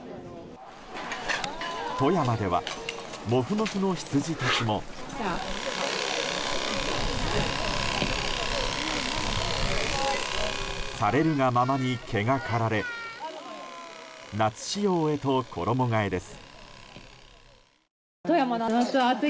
富山ではモフモフのヒツジたちもされるがままに毛が刈られ夏仕様へと衣替えです。